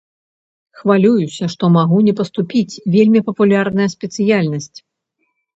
Хвалююся, што магу не паступіць, вельмі папулярная спецыяльнасць.